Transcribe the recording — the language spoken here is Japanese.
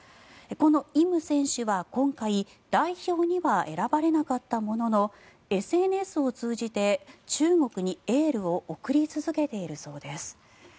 このイム選手は今回代表には選ばれなかったもののＳＮＳを通じて中国にエールを送り続けているそうです。